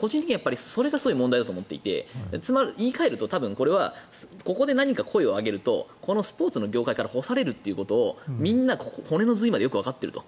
個人的にはそれがすごい問題だと思っていて言い換えるとこれはここで何か声を上げるとこのスポーツ業界から干されるということをみんな骨の髄までわかっていると。